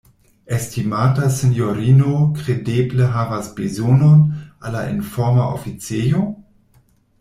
Estimata sinjorino kredeble havas bezonon al la informa oficejo?